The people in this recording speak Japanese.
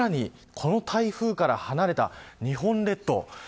さらに、この台風から離れた日本列島